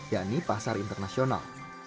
yakni pasar internasional